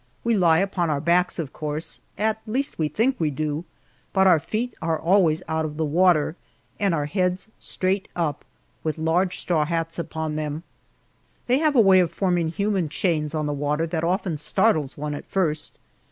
We lie upon our backs, of course at least we think we do but our feet are always out of the water, and our heads straight up, with large straw hats upon them. They have a way of forming human chains on the water that often startles one at first.